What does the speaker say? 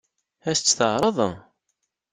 Ad as-tt-teɛṛeḍ?